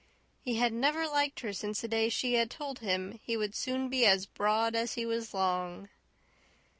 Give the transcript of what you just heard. He had never liked her since the day she had told him he would soon be as broad as he was long.